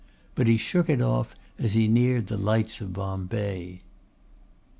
But he shook it off as he neared the lights of Bombay.